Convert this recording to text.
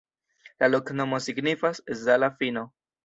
La loknomo signifas: Zala-fino.